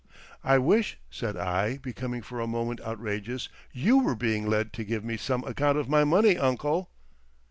"I wish," said I, becoming for a moment outrageous, "you were being Led to give me some account of my money, uncle."